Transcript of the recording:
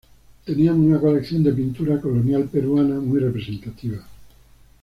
Tenían una colección de pintura colonial peruana muy representativa.